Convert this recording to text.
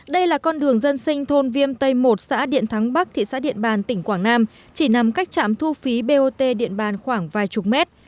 đây là con đường dân sinh thôn viêm tây một xã điện thắng bắc thị xã điện bàn tỉnh quảng nam chỉ nằm cách trạm thu phí bot điện bàn khoảng vài chục mét